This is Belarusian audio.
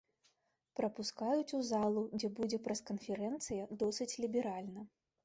Прапускаюць у залу, дзе будзе прэс-канферэнцыя досыць ліберальна.